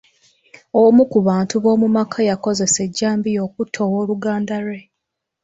Omu ku bantu b'omu maka yakozesa ejjambiya okutta owooluganda lwe.